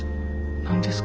何ですか？